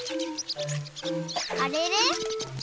あれれ？